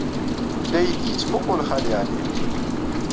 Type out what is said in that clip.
La iyi-d-yettmuqqul Xali Ɛli.